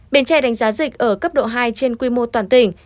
bến tre đánh giá dịch ở cấp độ hai trên quy mô toàn tỉnh